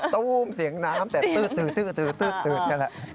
ตู้มเสียงน้ำแต่ตื๊ดนั่นแหละ